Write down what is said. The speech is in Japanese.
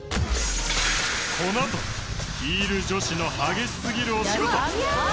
このあとヒール女子の激しすぎるお仕事。